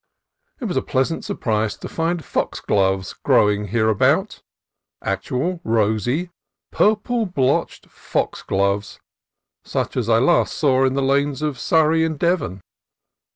It was a pleasant surprise to find foxgloves growing hereabout, — actual rosy, purple blotched foxgloves, such as I last saw in the lanes of Surrey and Devon.